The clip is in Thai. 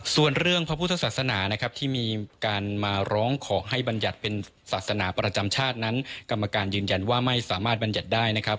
ส่วนเรื่องพระพุทธศาสนานะครับที่มีการมาร้องขอให้บรรยัติเป็นศาสนาประจำชาตินั้นกรรมการยืนยันว่าไม่สามารถบรรยัติได้นะครับ